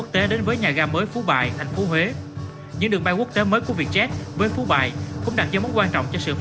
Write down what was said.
thành phố thủ đức